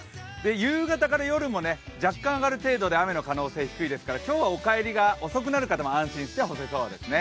夕方から夜も若干上がる程度で雨の可能性は低いですから今日はお帰りが遅くなる方も安心して干せそうですね。